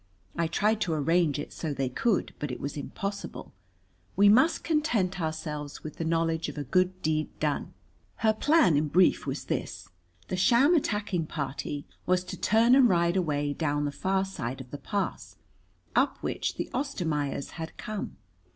I tried to arrange it so they could, but it was impossible. We must content ourselves with the knowledge of a good deed done." Her plan, in brief, was this: The sham attacking party was to turn and ride away down the far side of the pass, up which the Ostermaiers had come.